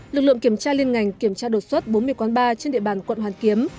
lực lượng kiểm tra liên ngành kiểm tra đột xuất bốn mươi quán bar trên địa bàn quận hoàn kiếm